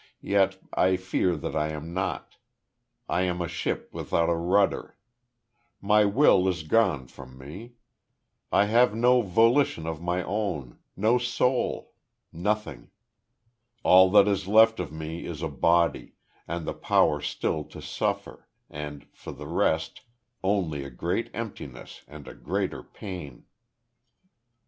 Yet I fear that I am not.... I am a ship without a rudder. My will is gone from me; I have no volition of my own no soul nothing. All that is left of me is a body, and the power still to suffer, and for the rest, only a great emptiness, and a greater pain."